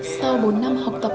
sau bốn năm học tập